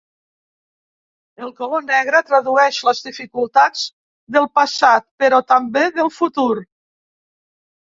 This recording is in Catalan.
El color negre tradueix les dificultats del passat, però també del futur.